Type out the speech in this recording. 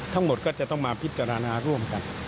ทั้งหมดก็จะต้องมาพิจารณาร่วมกัน